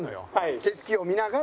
景色を見ながら。